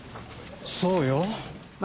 そうよ。